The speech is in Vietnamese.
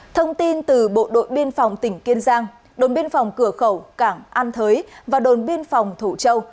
thông tin từ bộ đội biên phòng tỉnh kiên giang đồn biên phòng cửa khẩu cảng an thới và đồn biên phòng thủ châu